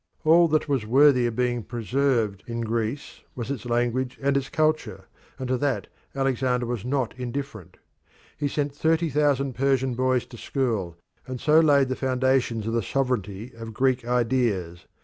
All that was worthy of being preserved in Greece was its language and its culture, and to that Alexander was not indifferent. He sent thirty thousand Persian boys to school, and so laid the foundations of the sovereignty of Greek ideas.